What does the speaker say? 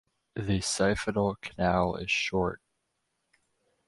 The siphonal canal is short.